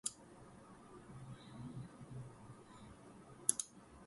What is the correlation between notional and functional words?